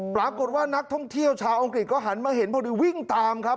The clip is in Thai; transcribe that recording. ปรากฏว่านักท่องเที่ยวชาวอังกฤษก็หันมาเห็นพอดีวิ่งตามครับ